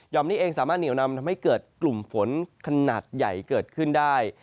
มนี้เองสามารถเหนียวนำทำให้เกิดกลุ่มฝนขนาดใหญ่เกิดขึ้นได้